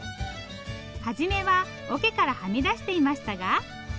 初めは桶からはみ出していましたが。